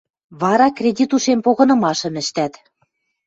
Вара кредит ушем погынымашым ӹштӓт.